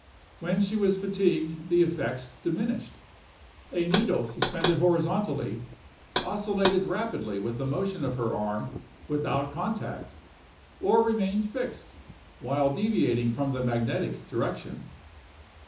When she was fatigued the effects diminished. A needle suspended horizontally, oscillated rapidly with the motion of her arm, without contact, or remained fixed, while deviating from the magnetic direction.